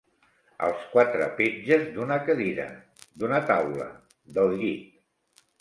Els quatre petges d'una cadira, d'una taula, del llit.